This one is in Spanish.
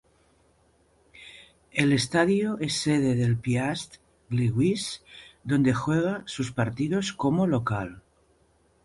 El estadio es sede del Piast Gliwice, donde juega sus partidos como local.